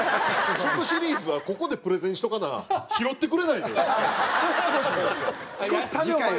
食シリーズはここでプレゼンしとかな拾ってくれないんですよ。